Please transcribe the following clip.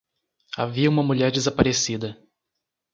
Havia uma mulher desaparecida!